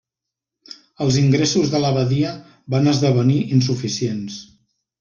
Els ingressos de l'abadia van esdevenir insuficients.